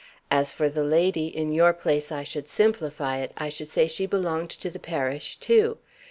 As for the lady, in your place I should simplify it. I should say she belonged to the parish too.